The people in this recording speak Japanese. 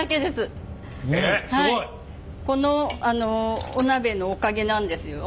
このお鍋のおかげなんですよ。